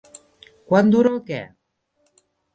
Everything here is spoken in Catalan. Quant dura el què?